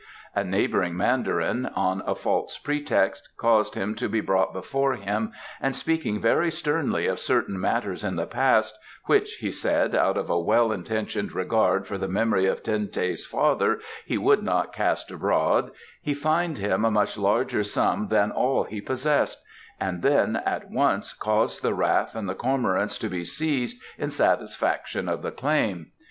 A neighbouring mandarin, on a false pretext, caused him to be brought before him, and speaking very sternly of certain matters in the past, which, he said, out of a well intentioned regard for the memory of Ten teh's father he would not cast abroad, he fined him a much larger sum than all he possessed, and then at once caused the raft and the cormorants to be seized in satisfaction of the claim.